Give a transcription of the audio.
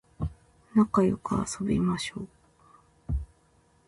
なかよく遊びましょう